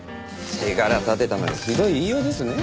手柄立てたのにひどい言いようですね。